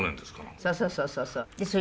そうそうそうそうそう。